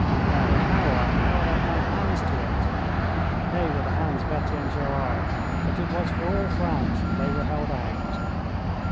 Oh, how I held out my hands to it! they were the hands of Etienne Gerard, but it was for all France that they were held out.